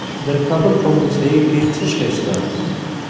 د کابل په موسهي کې څه شی شته؟